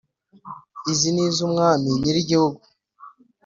Izi ni iz’ umwami nyiri gihugu.